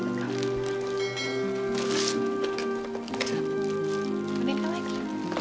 bicara bengke lagi